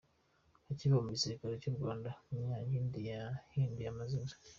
Akiva mu gisirikare cy’u Rwanda, Munyandinda yahinduye amazina.